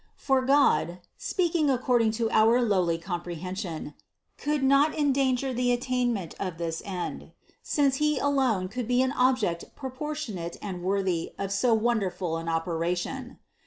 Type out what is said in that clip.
For God (speaking according to our lowly comprehen sion) could not endanger the attainment of this end, since He alone could be an object proportionate and worthy of so wonderful an operation.